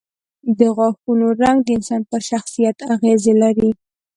د غاښونو رنګ د انسان پر شخصیت اغېز لري.